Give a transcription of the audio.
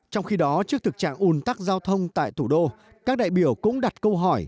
trong khi đó trước thực trạng ùn tắc giao thông tại thủ đô các đại biểu cũng đặt câu hỏi